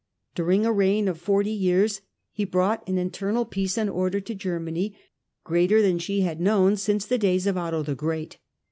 During a reign of forty years, he brought an internal peace and order to Germany greater than she had known since the days of Otho the Great.